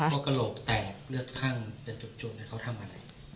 เค้ากระโหลบแตกเลือดข้างเป็นจบจบเนี้ยเค้าทำอะไร